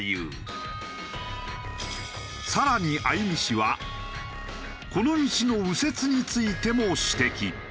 更に相見氏はこの道の右折についても指摘。